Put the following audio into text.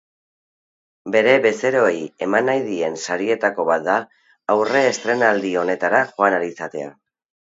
Bere bezeroei eman nahi dien sarietako bat da aurrestreinaldi honetara joan ahal izatea.